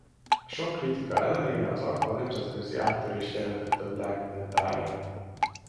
A sok kritika ellenére az Aqua nemzetközi áttörést jelentett a világ minden táján.